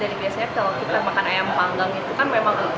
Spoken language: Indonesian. jadi biasanya kalau kita makan ayam panggang itu kan memang satu